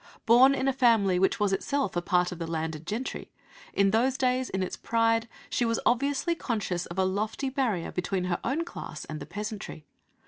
Born in a family which was itself a part of the landed gentry, in those days in its pride, she was obviously conscious of a lofty barrier between her own class and the peasantry.